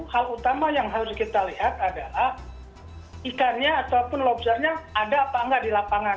hal utama yang harus kita lihat adalah ikannya ataupun lobsternya ada apa enggak di lapangan